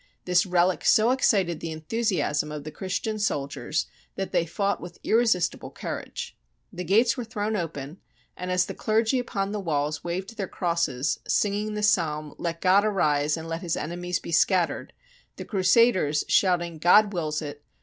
This relic so excited the enthusiasm of the Christian soldiers that they fought with irre sistible courage. The gates were thrown open, and as the clergy upon the walls waved their crosses, singing the psalm, " Let God arise, and let His enemies be scattered!" the Crusaders shouting " God wills it!